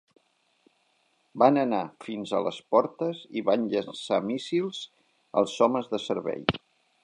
Van anar fins a les portes i van llançar míssils als homes de servei.